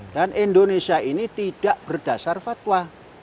dan indonesia ini tidak berdasar fatwa